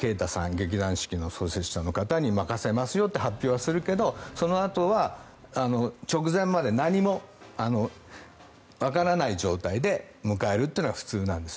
劇団四季の創設者の方に任せますよと発表するけれどもそのあとは直前まで何もわからない状態で迎えるというのが普通なんです。